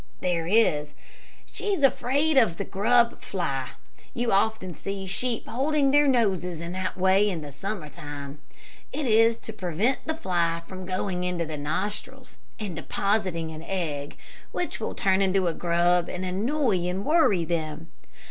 "There is. She's afraid of the grub fly. You often see sheep holding their noses in that way in the summer time. It is to prevent the fly from going into their nostrils, and depositing an egg, which will turn into a grub and annoy and worry them.